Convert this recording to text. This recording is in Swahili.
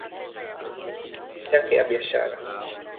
yake ya biashara